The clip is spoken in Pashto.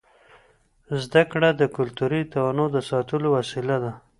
زده کړه د کلتوري تنوع د ساتلو وسیله ده.